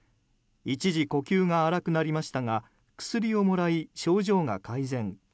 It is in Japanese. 一時呼吸が荒くなりましたが薬をもらい症状が改善。